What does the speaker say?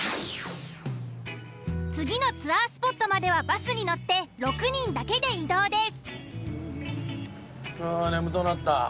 次のツアースポットまではバスに乗って６人だけで移動です。